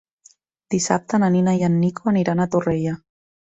Dissabte na Nina i en Nico aniran a Torrella.